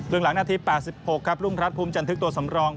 หลังนาที๘๖ครับรุ่งรัฐภูมิจันทึกตัวสำรอง